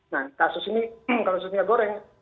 nah kasus ini kasusnya goreng